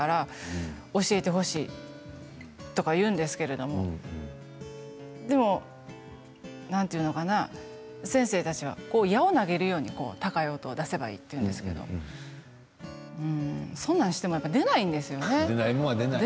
どうしたらこの音が出るのか分からない教えてほしいとか言うんですけどでも何ていうのかな、先生たちは矢を投げるように高い音を出せばいいというんですけどそんなのしても出ないんですよね。